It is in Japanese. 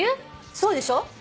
そうでしょ。